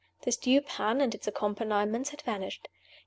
The stew pan and its accompaniments had vanished.